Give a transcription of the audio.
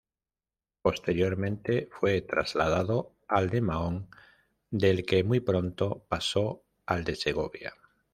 Posteriormente fue trasladado al de Mahón, del que muy pronto pasó al de Segovia.